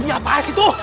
bunyi apaan sih tuh